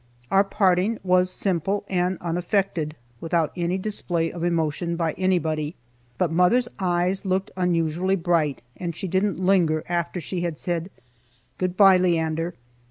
Our parting was simple and unaffected, without any display of emotion by anybody. But mother's eyes looked unusually bright, and she didn't linger after she had said, "Good bye Leander."